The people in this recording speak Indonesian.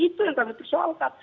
itu yang kami persoalkan